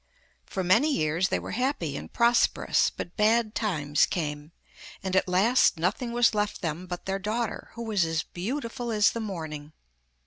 For many years they were happy and prosperous, but bad times came, and at last nothing was left them but their daughter, who was as beautiful as the morning.